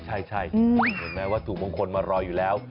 เห็นไหมว่าสู่มงคลมารออยู่แล้ว